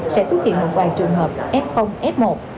sẽ xuất hiện một vài trường hợp f f một